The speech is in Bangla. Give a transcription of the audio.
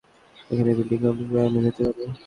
এখানে বিল্ডিং কমপ্লেক্স বানানো যেতে পারে।